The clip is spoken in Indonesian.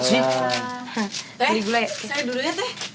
tuh ya saya dulunya tuh ya